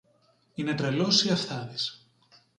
Είναι τρελός ή αυθάδης;